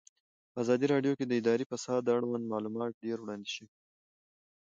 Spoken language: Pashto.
په ازادي راډیو کې د اداري فساد اړوند معلومات ډېر وړاندې شوي.